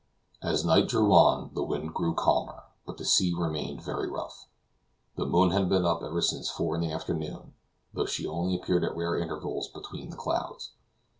As night drew on, the wind grew calmer, but the sea remained very rough. The moon had been up ever since four in the afternoon, though she only appeared at rare intervals between the clouds.